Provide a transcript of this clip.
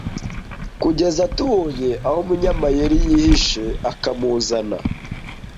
kugeza tubonye aho umunyamayeri yihishe akamuzana,